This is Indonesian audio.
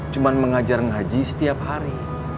cuma mengajar ngaji setiap hari